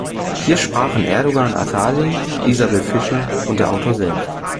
Hier sprachen Erdogan Atalay, Isabell Fischer und der Autor selbst.